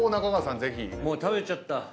もう食べちゃった。